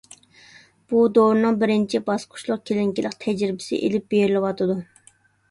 بۇ دورىنىڭ بىرىنچى باسقۇچلۇق كىلىنىكىلىق تەجرىبىسى ئېلىپ بېرىلىۋاتىدۇ.